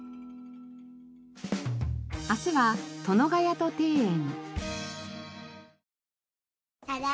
明日は殿ヶ谷戸庭園。